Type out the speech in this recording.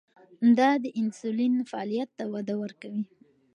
دا د انسولین فعالیت ته وده ورکوي.